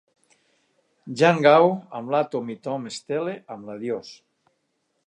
Jean Gau amb l'Atom i Tom Steele amb l'Adios.